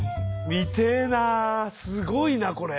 見てえなすごいなこれ。